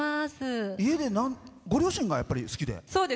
ご両親が好きで？